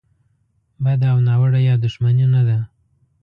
بده او ناوړه یا دوښمني نه ده.